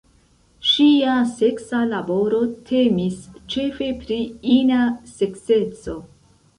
Ŝia seksa laboro temis ĉefe pri ina sekseco.